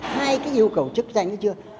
hai yêu cầu chức danh chưa